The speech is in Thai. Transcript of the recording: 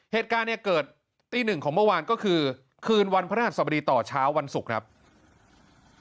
เหตุการณ์เนี่ยเกิดตีหนึ่งของเมื่อวานก็คือคืนวันพระราชสมดีต่อเช้าวันศุกร์ครับ